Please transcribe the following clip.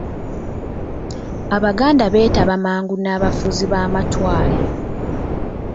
Abaganda beetaba mangu n'abafuzi b'amatwale .